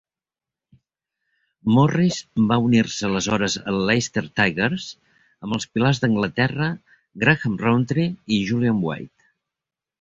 Morris va unir-se aleshores al Leicester Tigers amb els pilars d'Anglaterra Graham Rowntree i Julian White.